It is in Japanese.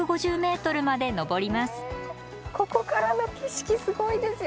ここからの景色すごいですよ